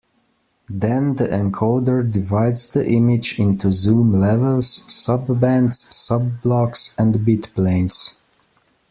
Then the encoder divides the image into zoom levels, subbands, subblocks and bitplanes.